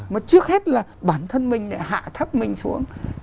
mà trước hết là bản thân mình lại hạ thấp mình xuống